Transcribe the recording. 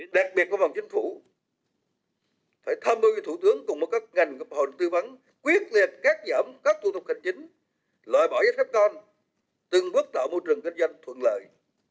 đặc biệt của phòng chính phủ phải tham bưu thủ tướng cùng các ngành hội tư vấn quyết liệt các giảm các thủ tục hành chính lòi bỏ giáp khắp con từng bước tạo môi trường kinh doanh thuận lợi